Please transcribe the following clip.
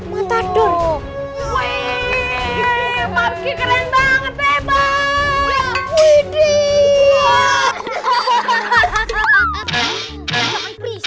wih mabki keren banget bebas